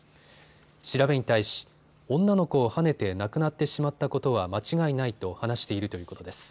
調べに対し女の子をはねて亡くなってしまったことは間違いないと話しているということです。